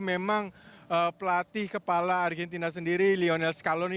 memang pelatih kepala argentina sendiri lionel scaloni